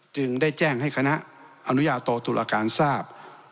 จึงได้แจ้งให้คณะอนุญาโตตุลาการทราบ